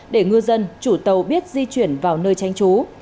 để ngư dân chủ tàu biết di chuyển vào nơi tránh trú